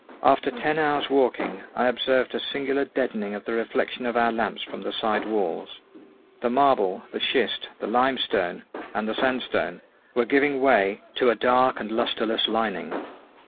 After ten hours' walking I observed a singular deadening of the reflection of our lamps from the side walls. The marble, the schist, the limestone, and the sandstone were giving way to a dark and lustreless lining.